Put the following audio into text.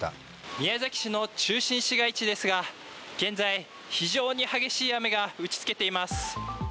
宮崎市の中心市街地ですが、現在、非常に激しい雨が打ちつけています。